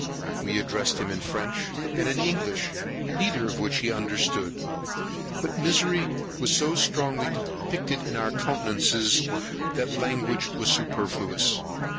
We addressed him in French and in English, neither of which he understood; but misery was so strongly depicted in our countenances, that language was superfluous.